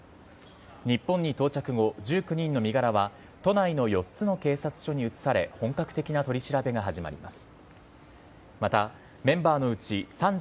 日本に到着後１９人の身柄は都内の４つの警察署に移され、本格的な取り調べが始まります。